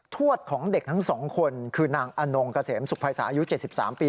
ทวดของเด็กทั้งสองคนคือนางอนงกะเสมสุขภายสายุ๗๓ปี